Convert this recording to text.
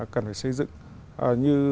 cần phải xây dựng như